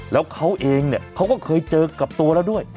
แล้วเขาเองเนี่ยเขาก็เคยเจอกับตัวแล้วด้วย